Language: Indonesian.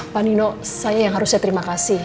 pak nino saya yang harusnya terima kasih